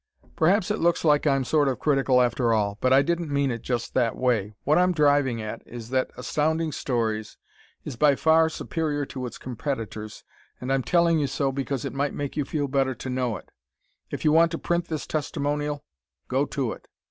Perhaps it looks like I'm sort of critical after all, but I didn't mean it just that way. What I'm driving at is that Astounding Stories is by far superior to its competitors, and I'm telling you so because it might make you feel better to know it. If you want to print this testimonial, go to it.